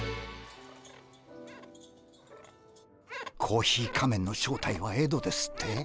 コーヒー仮面の正体はエドですって？